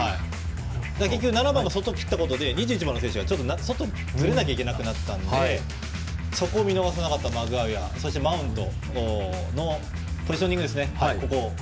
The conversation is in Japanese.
結局、７番も外を切ったことで２１番の選手が外にずれなくてはいけなくなったのでそこを見逃さなかったマグワイアそしてマウントのポジショニングです。